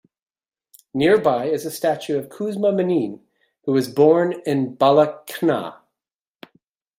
Nearby is a statue of Kuzma Minin, who was born in Balakhna.